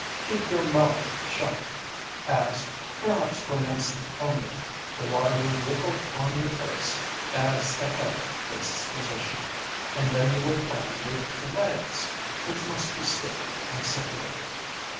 Keep your mouth shut, as, perhaps for an instant only, the water will ripple on your face as the head takes its position, and then you will find your legs, which must be stiffened and separated.